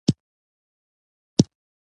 عطرونه د ځانګړي مراسمو لپاره غوره کیږي.